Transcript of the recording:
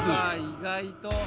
意外と。